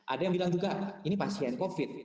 ada yang bilang juga ini pasien covid